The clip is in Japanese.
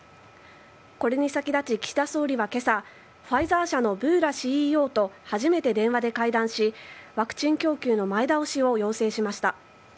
これに先立ち、岸田総理は今朝ファイザー社のブーラＣＥＯと初めて電話で会談しワクチン供給の前倒しを要請しました。